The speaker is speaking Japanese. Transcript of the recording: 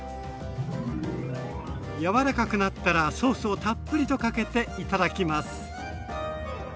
やわらかくなったらソースをたっぷりとかけていただきます。